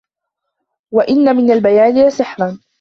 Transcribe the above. وَإِنَّ مِنْ الْبَيَانِ لَسِحْرًا